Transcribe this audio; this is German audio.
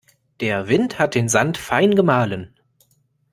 Der Wind hat den Sand fein gemahlen.